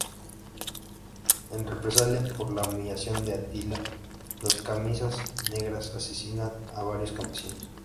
En represalia por la humillación de Attila, los camisas negras asesinan a varios campesinos.